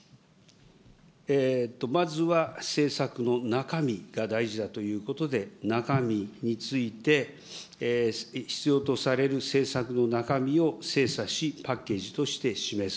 まずは政策の中身が大事だということで、中身について必要とされる政策の中身を精査し、パッケージとして示す。